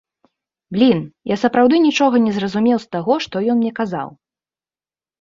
Блін, я сапраўды нічога не зразумеў з таго, што ён мне казаў!